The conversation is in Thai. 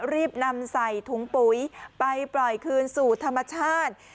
รีบนำใส่ถุงปุ๋ยไปปล่อยคืนสู่ธรรมชาติ